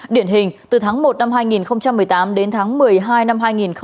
điển hình từ tháng một năm hai nghìn một mươi tám đến tháng một mươi hai năm hai nghìn một mươi chín